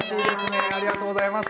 ありがとうございます。